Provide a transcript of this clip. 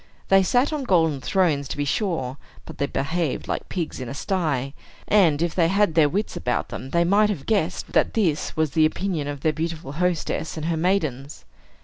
They sat on golden thrones, to be sure; but they behaved like pigs in a sty; and, if they had had their wits about them, they might have guessed that this was the opinion of their beautiful hostess and her maidens.